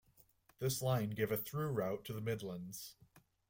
This line gave a through route to the Midlands.